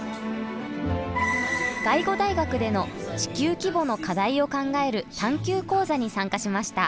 外語大学での地球規模の課題を考える探究講座に参加しました。